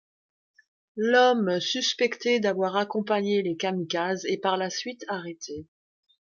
L'homme suspecté d'avoir accompagné les kamikazes est par la suite arrêté.